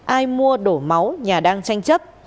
ai mua đổ máu nhà đang tranh chấp